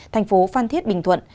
tp phan thiết bình thuận